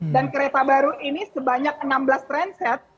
dan kereta baru ini sebanyak enam belas transit